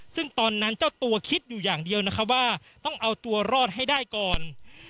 ซึ่งตอนนั้นเจ้าตัวคิดอยู่อย่างเดียวนะคะว่าต้องเอาตัวรอดให้ได้ก่อน